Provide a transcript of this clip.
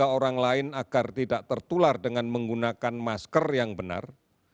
meminta orang lain agar tidak tertular dengan menggunakan masker yang benar